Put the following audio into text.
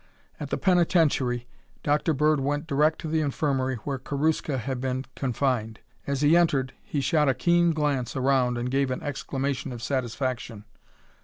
At the penitentiary, Dr. Bird went direct to the infirmary where Karuska had been confined. As he entered, he shot a keen glance around and gave an exclamation of satisfaction.